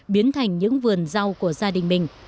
biến thành những vườn rau của gia đình mình